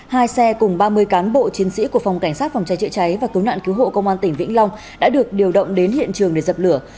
hai xe cùng ba mươi cán bộ chiến sĩ của phòng cảnh sát phòng cháy chữa cháy và cứu nạn cứu hộ công an tỉnh vĩnh long đã được điều động đến hiện trường để dập lửa